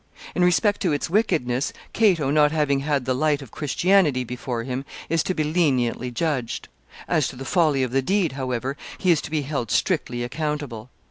In respect to its wickedness, Cato, not having had the light of Christianity before him, is to be leniently judged. As to the folly of the deed, however, he is to be held strictly accountable.